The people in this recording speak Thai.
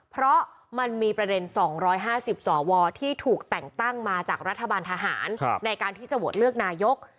เพราะมันมีประเด็น๒๕๐สวที่ถูกแต่งตั้งมาจากรัฐบาลทหารในการที่จะโหวตเลือกนายก